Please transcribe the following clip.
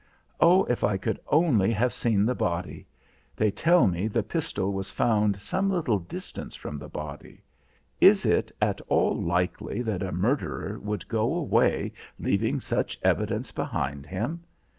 Oh, if I could only have seen the body! They tell me the pistol was found some little distance from the body. Is it at all likely that a murderer would go away leaving such evidence behind him?